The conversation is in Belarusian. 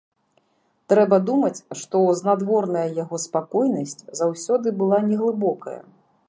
Трэба думаць, што знадворная яго спакойнасць заўсёды была не глыбокая.